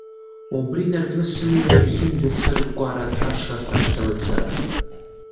Убри инаркны сымҩа иахьынӡасыркәараҵаша сашьҭалеит сара.